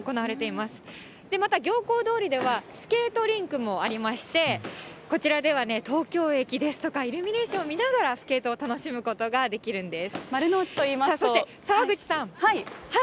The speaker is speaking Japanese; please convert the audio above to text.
また行幸通りではスケートリンクもありまして、こちらでは東京駅ですとか、イルミネーションを見ながら、スケートを楽しむことができるんです。